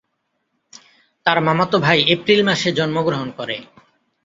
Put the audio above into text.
তার মামাতো ভাই এপ্রিল মাসে জন্মগ্রহণ করে।